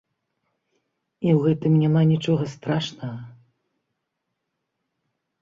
І ў гэтым няма нічога страшнага.